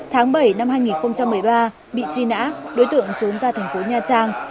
tháng bảy năm hai nghìn một mươi ba bị truy nã đối tượng trốn ra thành phố nha trang